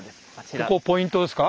ここポイントですか？